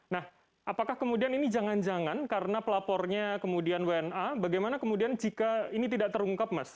nah apakah kemudian ini jangan jangan karena pelapornya kemudian wna bagaimana kemudian jika ini tidak terungkap mas